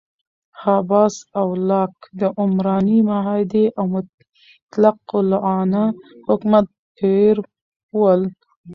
هابس او لاک د عمراني معاهدې او مطلق العنانه حکومت پیر ول.